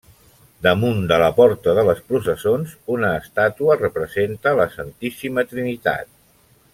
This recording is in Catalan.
Damunt de la porta de les processons, una estàtua representa la Santíssima Trinitat.